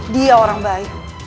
dia orang baik